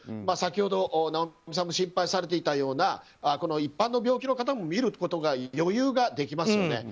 先ほど、心配されていたような一般の病気の方も診ることの余裕ができますよね。